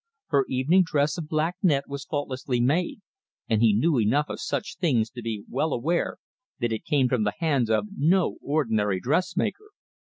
Her evening dress of black net was faultlessly made, and he knew enough of such things to be well aware that it came from the hands of no ordinary dressmaker.